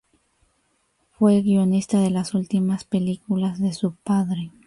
Fue guionista de las últimas películas de su padre.